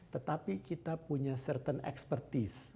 tetapi kita punya certain experties